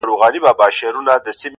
را سهید سوی” ساقي جانان دی”